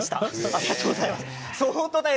ありがとうございます。